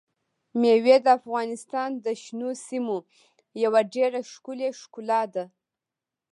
مېوې د افغانستان د شنو سیمو یوه ډېره ښکلې ښکلا ده.